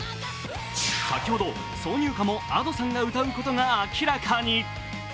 先ほど挿入歌もＡｄｏさんが歌うことが明らかに。